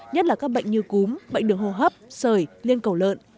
nhất là các bệnh như cúm bệnh đường hô hấp sởi liên cầu lợn